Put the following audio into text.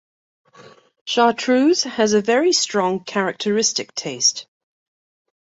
Chartreuse has a very strong characteristic taste.